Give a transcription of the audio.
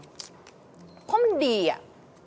เพราะมันดีอะ